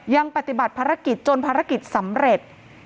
ยังปฏิบัติภารกิจจนภารกิจสำเร็จ